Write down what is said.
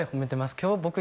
今日僕